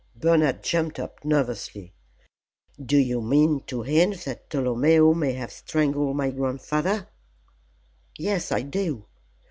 Bernard jumped up nervously. "Do you mean to hint that Tolomeo may have strangled my grandfather?" "Yes, I do.